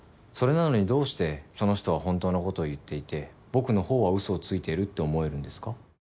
それなのにどうしてその人は本当のことを言っていて僕の方は嘘をついているって思えるんですか？